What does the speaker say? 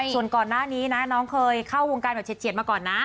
ส่วนก่อนหน้านี้นะน้องเคยเข้าวงการแบบเฉียดมาก่อนนะ